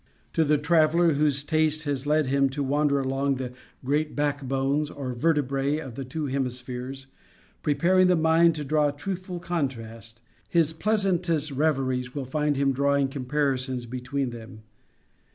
To the traveler whose taste has led him to wander along the "Great back bones," or vertebræ, of the two hemispheres, preparing the mind to draw truthful contrast, his pleasantest reveries will find him drawing comparisons between them.